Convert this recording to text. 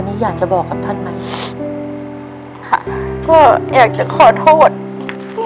วันนี้อยากบอกความรับขอแทนขอให้คุณ